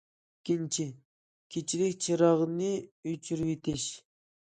ئىككىنچى، كېچىلىك چىراغنى ئۆچۈرۈۋېتىش.